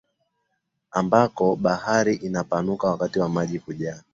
ambako bahari inapanuka wakati wa maji kujaa